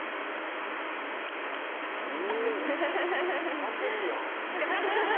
完璧やん。